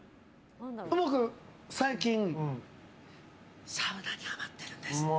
僕、最近サウナにハマってるんです。